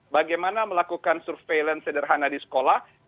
bagaimana melakukan surveillance sederhana di sekolah